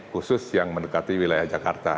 khusus yang mendekati wilayah jakarta